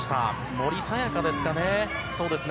森さやかですね。